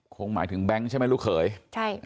คงหมายถึงแบงค์ใช่ไหมลูกเขยใช่